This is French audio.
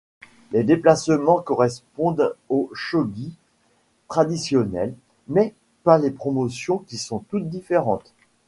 Les déplacements correspondent au shogi traditionnel mais pas les promotions qui sont toutes différentes.